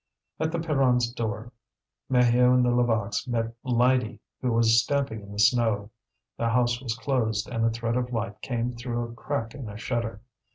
At the Pierrons' door Maheu and the Levaques met Lydie, who was stamping in the snow. The house was closed, and a thread of light came though a crack in a shutter.